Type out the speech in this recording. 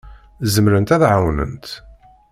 Zemrent ad d-ɛawnent.